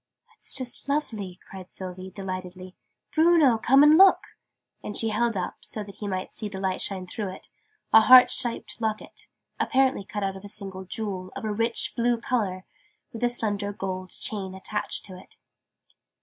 "'It's just lovely," cried Sylvie, delightedly. "Bruno, come and look!" And she held up, so that he might see the light through it, a heart shaped Locket, apparently cut out of a single jewel, of a rich blue colour, with a slender gold chain attached to it.